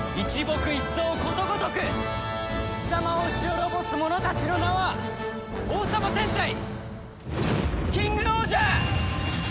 ことごとく貴様を討ち滅ぼす者たちの名は王様戦隊キングオージャー！